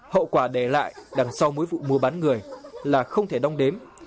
hậu quả để lại đằng sau mỗi vụ mua bán người là không thể đong đếm